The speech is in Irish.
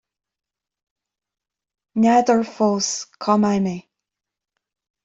ní fheadar fós cá mbeidh mé